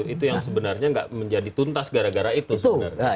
itu yang sebenarnya nggak menjadi tuntas gara gara itu sebenarnya